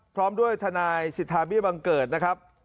พร้อมด้วยทนายสิทธาเบี้ยบังเกิดนะครับ